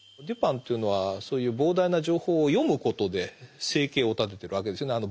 デュパンというのはそういう膨大な情報を読むことで生計を立ててるわけですよね。